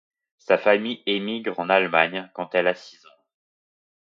Sa famille émigre en Allemagne quand elle a six ans.